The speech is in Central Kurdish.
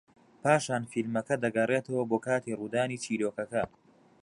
پاشان فیلمەکە دەگەڕێتەوە بۆ کاتی ڕوودانی چیرۆکەکە